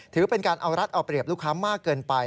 ถือเป็นการเอารัฐเอาเปรียบลูกค้ามากเกินไป